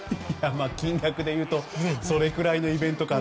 金額でいうとそれくらいのイベント感で。